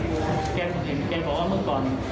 เด็กก็เลยไม่ให้เห็นแกนาน